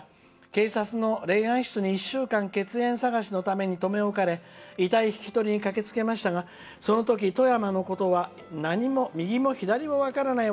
警察の霊安室に１週間、血縁者探しにとめおかれ、遺体引き取りに駆けつけましたがそのとき富山のことは何も右も左も分からない